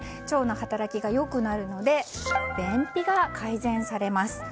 腸の働きが良くなるので便秘が改善されます。